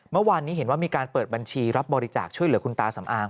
เมื่อวานนี้เห็นว่ามีการเปิดบัญชีรับบริจาคช่วยเหลือคุณตาสำอาง